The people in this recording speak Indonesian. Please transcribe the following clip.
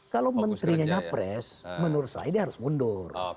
kalau menterinya nyapres menurut saya dia harus mundur